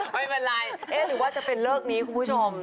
ไม่เป็นไรหรือว่าจะเป็นเลิกนี้คุณผู้ชม